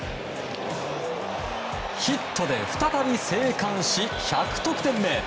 ヒットで再び生還し１００得点目。